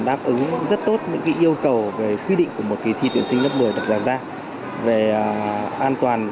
đáp ứng rất tốt những yêu cầu về quy định của một kỳ thi tuyển sinh lớp một mươi đặt ra về an toàn